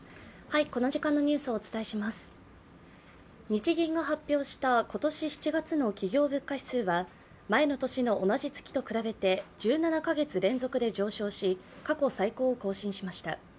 日銀が発表した今年７月の企業物価指数は、前の年の同じ月と比べて１７カ月連続で上昇し、過去最高を更新しました。